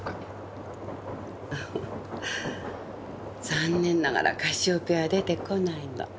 残念ながらカシオペアは出てこないの。